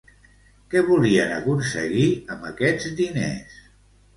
Què volien aconseguir amb aquests diners?